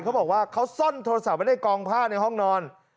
เขาบอกว่าเขาซ่อนโทรศัพท์ไว้ในกองผ้าในห้องนอน